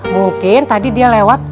mungkin tadi dia lewat